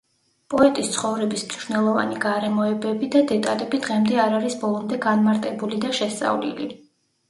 პოეტის ცხოვრების მნიშვნელოვანი გარემოებები და დეტალები დღემდე არ არის ბოლომდე განმარტებული და შესწავლილი.